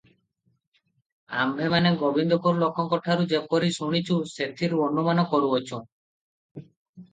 ଆମ୍ଭେମାନେ ଗୋବିନ୍ଦପୁର ଲୋକଙ୍କଠାରୁ ଯେପରି ଶୁଣିଛୁ, ସେଥିରୁ ଅନୁମାନ କରୁଅଛୁଁ ।